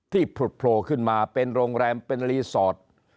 ผลุดโผล่ขึ้นมาเป็นโรงแรมเป็นรีสอร์ท